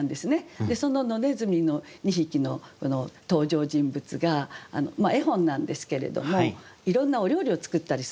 その野ねずみの２匹の登場人物が絵本なんですけれどもいろんなお料理を作ったりする。